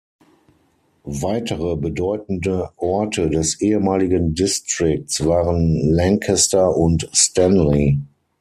Weitere bedeutende Orte des ehemaligen Districts waren Lanchester und Stanley.